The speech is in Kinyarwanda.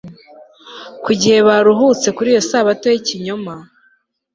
ko igihe baruhutse kuri iyo sabato yikinyoma